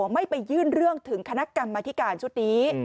ไม่ไปยื่นเรื่องถึงคณะกรรมธิการชุดนี้